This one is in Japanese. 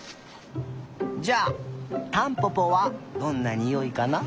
じゃあタンポポはどんなにおいかな。